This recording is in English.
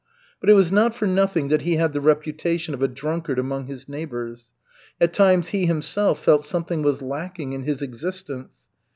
But it was not for nothing that he had the reputation of a drunkard among his neighbors. At times he himself felt something was lacking in his existence.